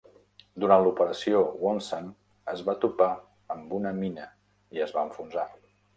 Durant l'Operació Wonsan es va topar amb una mina i es va enfonsar.